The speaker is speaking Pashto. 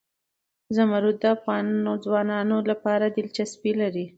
زمرد د افغان ځوانانو لپاره دلچسپي لري.